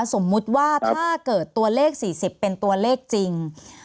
สมมุติว่าถ้าเกิดตัวเลข๔๐เป็นตัวเลขจริง